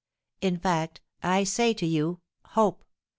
In fact, I say to you, Hope!